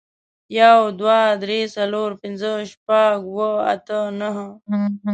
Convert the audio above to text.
يو، دوه، درې، څلور، پينځه، شپږ، اووه، اته، نهه